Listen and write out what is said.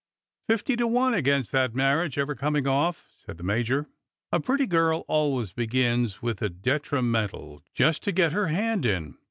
"Fifty to one against that marriage ever coming off," said the Major ;" a pretty girl always begins with a detrimental, just to get her hand in.